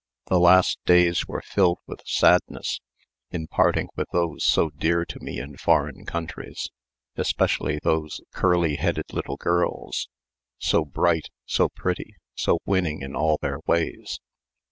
The last days were filled with sadness, in parting with those so dear to me in foreign countries especially those curly headed little girls, so bright, so pretty, so winning in all their ways.